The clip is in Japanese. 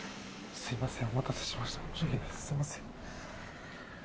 すみません。